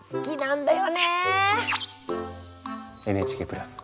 ＮＨＫプラス